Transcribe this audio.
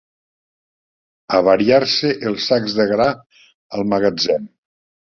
Avariar-se els sacs de gra al magatzem.